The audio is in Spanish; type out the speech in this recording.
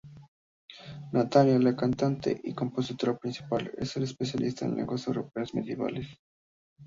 Natalia, la cantante y compositora principal, es especialista en lenguas europeas medievales.